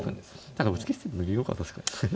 ただ打ち消してるので微妙か確かに。